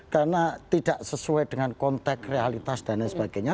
karena tidak sesuai dengan konteks realitas dan lain sebagainya